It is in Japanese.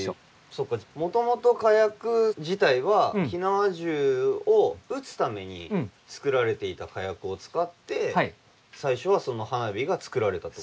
そっかもともと火薬自体は火縄銃を撃つために作られていた火薬を使って最初は花火が作られたということですか。